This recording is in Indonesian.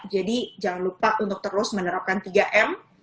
jadi jangan lupa untuk terus menerapkan tiga m